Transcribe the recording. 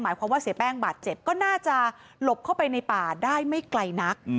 หมายความว่าเสียแป้งบาดเจ็บก็น่าจะหลบเข้าไปในป่าได้ไม่ไกลนัก